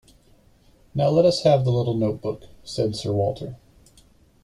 “Now let us have the little note-book,” said Sir Walter.